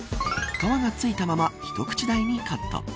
皮が付いたまま一口大にカット。